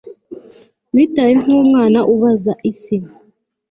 witaye nkumwana ubaza isi